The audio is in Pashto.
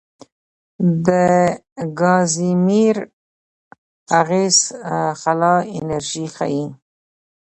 د کازیمیر اغېز خلا انرژي ښيي.